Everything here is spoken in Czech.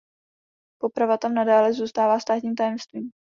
Poprava tam nadále zůstává státním tajemstvím.